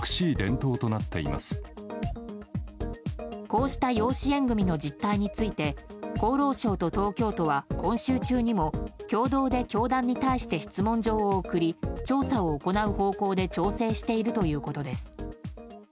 こうした養子縁組の実態について厚労省と東京都は今週中にも共同で教団に対して質問状を送り調査を行う方向で調整しているということです。